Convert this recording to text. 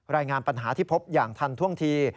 รายงานปัญหาที่พบอย่างทันท่วงที